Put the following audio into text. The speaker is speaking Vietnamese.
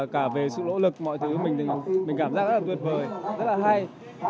cả về sự lỗ lực mọi thứ mình cảm giác rất là tuyệt vời rất là hay